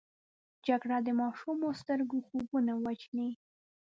جګړه د ماشومو سترګو خوبونه وژني